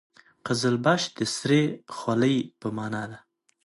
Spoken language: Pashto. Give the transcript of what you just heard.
قزلباش د سرې خولۍ په معنا ده.